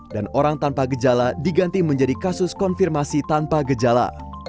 dan orang tanpa gejala diganti menjadi kasus konfirmasi tanpa gejala